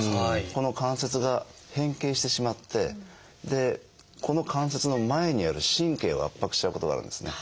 ここの関節が変形してしまってこの関節の前にある神経を圧迫しちゃうことがあるんですね。